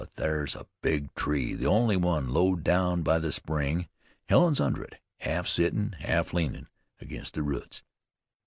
Ther's a big tree, the only one, low down by the spring. Helen's under it, half sittin', half leanin' against the roots.